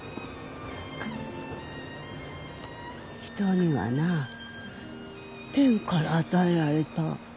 人にはな天から与えられた寿命がある。